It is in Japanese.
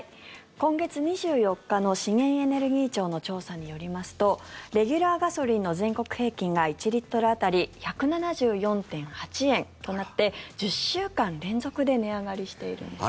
今月２４日の資源エネルギー庁の調査によりますとレギュラーガソリンの全国平均が１リットル当たり１７４．８円となって１０週間連続で値上がりしているんですね。